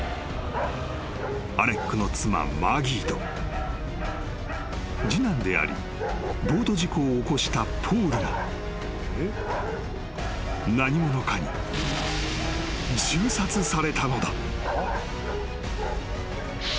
［アレックの妻マギーと次男でありボート事故を起こしたポールが何者かに銃殺されたのだ］